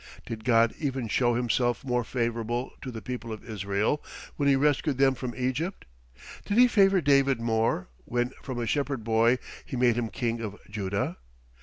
Did God even show Himself more favourable to the people of Israel, when He rescued them from Egypt? Did He favour David more, when from a shepherd boy He made him king of Judah?